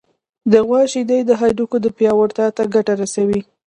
د غوا شیدې د هډوکو پیاوړتیا ته ګټه رسوي.